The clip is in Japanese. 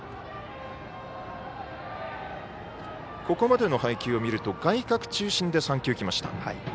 ここまでの配球を見ると外角中心で３球、来ました。